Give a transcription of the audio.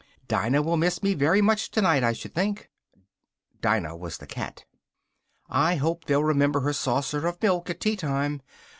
"Dinah will miss me very much tonight, I should think!" (Dinah was the cat.) "I hope they'll remember her saucer of milk at tea time!